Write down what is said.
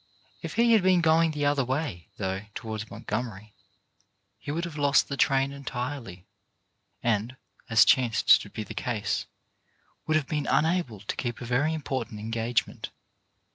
If he had been going the other way, though, towards Mont gomery, he would have lost the train entirely, and, as chanced to be the case, would have been unable to keep a very important engagement.